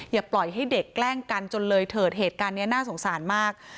อย่าปล่อยให้เด็กแกล้งกันจนเลยเถิดเหตุการณ์นี้น่าสงสารมาก